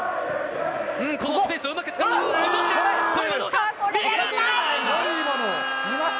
ここ、このスペースをうまく使った。